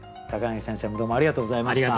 柳先生もどうもありがとうございました。